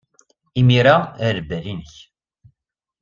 Imir-a, err lbal-nnek.